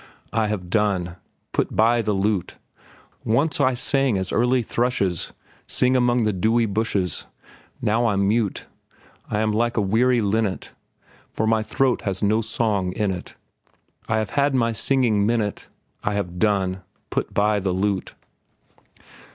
I have done— Put by the lute. Once I sang as early thrushes Sing among the dewy bushes; Now I'm mute. I am like a weary linnet, For my throat has no song in it; I have had my singing minute. I have done. Put by the lute.